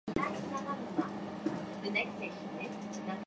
ツウィちゃんと結婚したいな